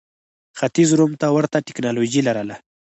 ختیځ روم ته ورته ټکنالوژي لرله.